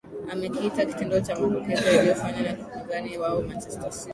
amekiita kitendo cha mapokezi yaliofanywa na wapinzani wao manchester city